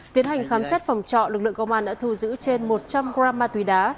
tiến hành khám xét phòng trọ lực lượng công an đã thu giữ trên một trăm linh gram ma túy đá